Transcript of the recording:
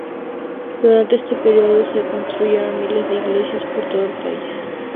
Durante este periodo se construyeron miles de iglesias por todo el país.